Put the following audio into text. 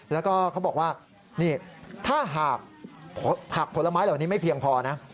แล้วก็เขาบอกว่านี่ถ้าหากผักผลไม้เหล่านี้ไม่เพียงพอนะ